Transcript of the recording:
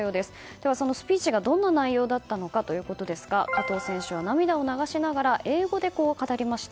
では、そのスピーチがどんな内容だったのかということですが加藤選手は涙を流しながら英語で語りました。